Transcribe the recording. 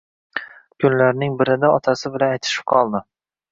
Kunlarning birida otasi bilan aytishib qoldi